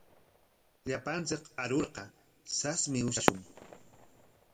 Llapanchik arurqa sasmi ushashun.